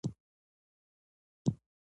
کابل د افغانستان د طبیعت برخه ده.